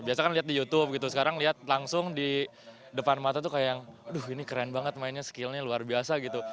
biasa kan lihat di youtube gitu sekarang lihat langsung di depan mata tuh kayak yang aduh ini keren banget mainnya skillnya luar biasa gitu